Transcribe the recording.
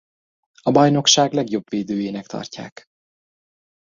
A bajnokság legjobb védőjének tartják.